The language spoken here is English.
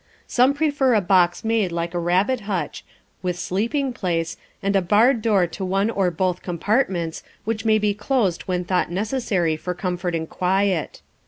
Some prefer a box made like a rabbit hutch, with sleeping place, and a barred door to one or both compartments which may be closed when thought necessary for comfort and quiet.